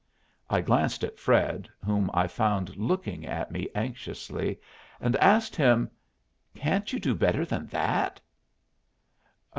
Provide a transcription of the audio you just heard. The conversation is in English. I glanced at Fred, whom I found looking at me anxiously, and asked him, "Can't you do better than that?"